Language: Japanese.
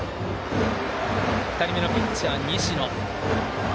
２人目のピッチャー、西野。